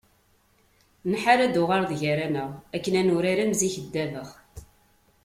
Nḥar ad d-tuɣaleḍ gar-aneɣ akken ad nurar am zik ddabex.